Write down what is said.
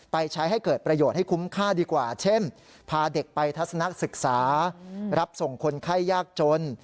ไปใช้ให้เกิดประโยชน์ให้คุ้มค่าดีกว่าเช่นพาเด็กไปทัศนักศึกษารับส่งคนไข้ยากจน